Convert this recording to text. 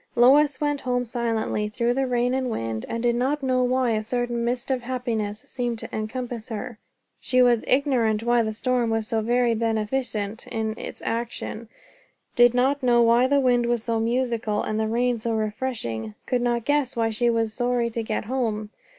Lois went home silently, through the rain and wind, and did not know why a certain mist of happiness seemed to encompass her. She was ignorant why the storm was so very beneficent in its action; did not know why the wind was so musical and the rain so refreshing; could not guess why she was sorry to get home.